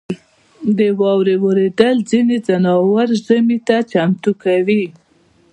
• د واورې اورېدل ځینې ځناور ژمي ته چمتو کوي.